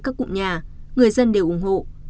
các cụm nhà người dân đều ủng hộ